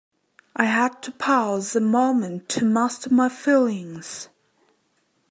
I had to pause a moment to master my feelings.